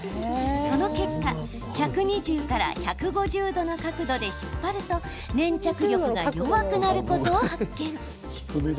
その結果、１２０１５０度の角度で引っ張ると粘着力が弱くなることを発見。